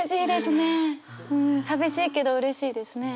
うん寂しいけどうれしいですね。